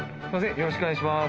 よろしくお願いします